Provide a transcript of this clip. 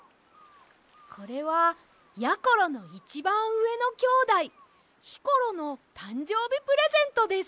これはやころのいちばんうえのきょうだいひころのたんじょうびプレゼントです。